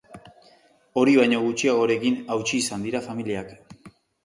Hori baino gutxiagorekin hautsi izan dira familiak.